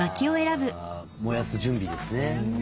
あ燃やす準備ですね。